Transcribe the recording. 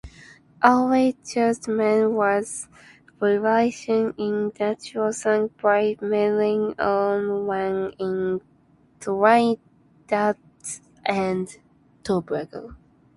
Early chutney was religious in nature sung by mainly women in Trinidad and Tobago.